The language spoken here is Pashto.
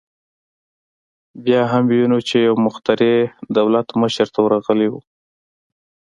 بیا هم وینو چې یو مخترع دولت مشر ته ورغلی و